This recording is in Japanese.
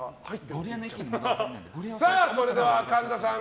それでは神田さん